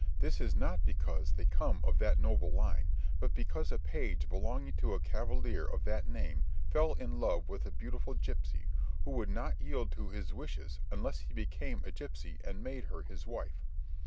This is not because they come of that noble line, but because a page belonging to a cavalier of that name fell in love with a beautiful gipsy, who would not yield to his wishes unless he became a gipsy and made her his wife.